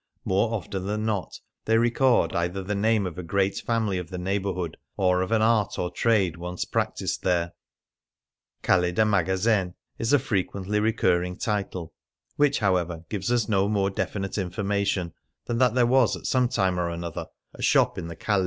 More often than not they record either the name of a great 84 Venice on Foot family of the neighbourhood or of an art or trade once practised there, " Calle de Magazen " is a frequently recurring title, which, however, gives us no more definite information than that there was at some time or other a shop in the calle.